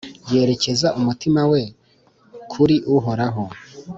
yerekeza umutima we kuri Uhoraho,